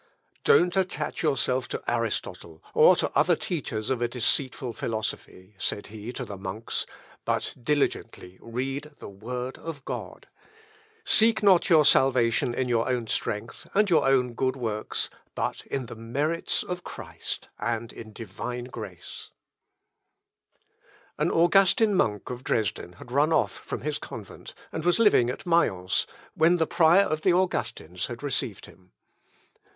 "Don't attach yourself to Aristotle, or to other teachers of a deceitful philosophy," said he to the monks, "but diligently read the word of God. Seek not your salvation in your own strength, and your own good works, but in the merits of Christ, and in Divine grace." Hilscher's Luther's Anwesenheit in Alt Dresden, 1728. An Augustin monk of Dresden had run off from his convent, and was living at Mayence, where the prior of the Augustins had received him.